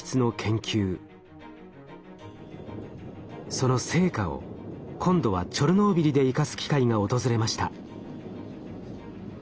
その成果を今度はチョルノービリで生かす機会が訪れました。